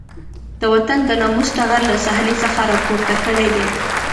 د وطن د ناموس ټغر له صحنې څخه راپورته کړی دی.